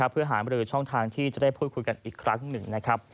เพื่อหามรือช่องทางที่จะได้พูดคุยกันอีกครั้งหนึ่งนะครับ